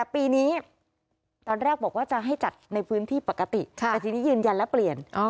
ปีนี้ตอนแรกบอกว่าจะให้จัดในพื้นที่ปกติแต่ทีนี้ยืนยันแล้วเปลี่ยน